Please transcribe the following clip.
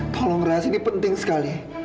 tolong ras ini penting sekali